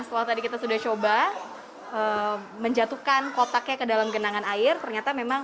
nah kalau tadi kita sudah coba menjadi tuhan kotak yang kedalam genangan air ternyata memang